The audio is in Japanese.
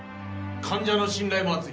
患者の信頼も厚い。